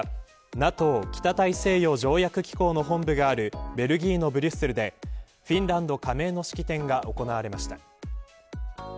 ＮＡＴＯ北大西洋条約機構の本部があるベルギーのブリュッセルでフィンランド加盟の式典が行われました。